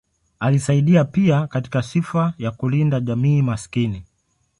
Alisaidia pia katika sifa ya kulinda jamii maskini.